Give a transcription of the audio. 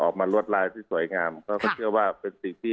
ออกมารวดลายที่สวยงามเขาก็เชื่อว่าเป็นสิ่งที่